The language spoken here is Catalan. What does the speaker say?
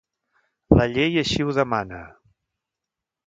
La llei així ho demana.